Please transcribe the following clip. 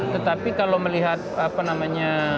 tetapi kalau melihat apa namanya